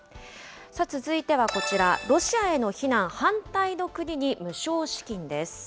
続いてはこちら、ロシアへの非難、反対の国に無償資金です。